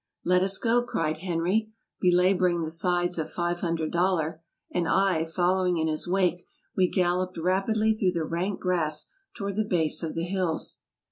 "Let us go! " cried Henry, belaboring the sides of Five Hundred Dollar; and I, following in his wake, we galloped rapidly through the rank grass toward the base of the hills.